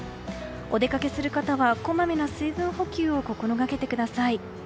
お出かけする方はこまめな水分補給を心掛けてください。